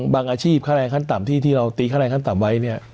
อาชีพค่าแรงขั้นต่ำที่เราตีค่าแรงขั้นต่ำไว้เนี่ย